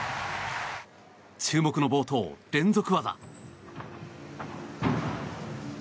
注目の冒頭、連続技。